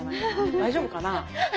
大丈夫かな？